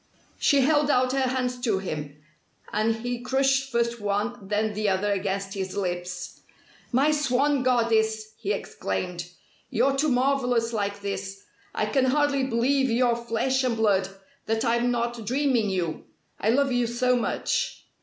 She held out her hands to him, and he crushed first one then the other against his lips. "My Swan Goddess!" he exclaimed. "You're too marvellous like this. I can hardly believe you're flesh and blood that I'm not dreaming you. I love you so much!"